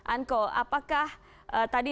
anko apakah tadi